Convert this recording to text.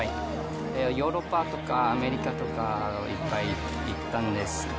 ヨーロッパとかアメリカとかいっぱい行ったんです。